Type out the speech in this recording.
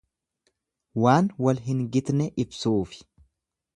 Waan wal hin gitne ibsuufi.